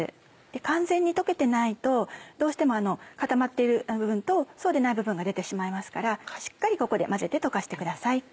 完全に溶けてないとどうしても固まっている部分とそうでない部分が出てしまいますからしっかりここで混ぜて溶かしてください。